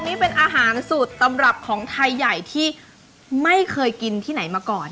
นี่เป็นอาหารสูตรตำรับของไทยใหญ่ที่ไม่เคยกินที่ไหนมาก่อน